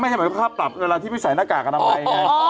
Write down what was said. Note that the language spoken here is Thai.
ไม่ใช่หมายความตับเวลาที่พี่ใส่หน้ากากกันเอาไว้ไง